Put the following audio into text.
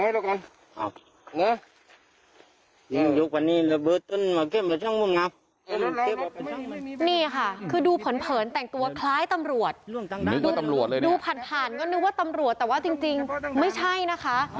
ดูผ่านก็นึกว่าตำรวจแต่ว่าจริงไม่ใช่นะคะ